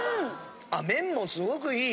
あっ麺もすごくいい！